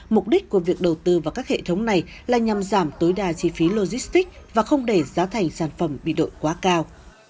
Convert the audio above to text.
mục đích của việc đầu tư vào các hệ thống này là nhằm giảm tối đa chi phí logistics và không để giá thành sản phẩm bị đội quá cao